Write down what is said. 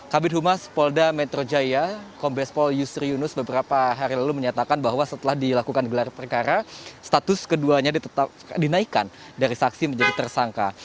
kabin humas polda metro jaya kombespol yusri yunus beberapa hari lalu menyatakan bahwa setelah dilakukan gelar perkara status keduanya dinaikkan dari saksi menjadi tersangka